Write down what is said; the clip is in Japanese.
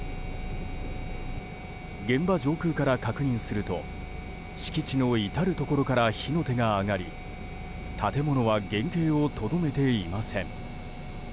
現場上空から確認すると敷地の至るところから火の手が上がり建物は原形をとどめていません。